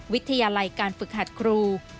วิทยาลัยการฝึกหัดครู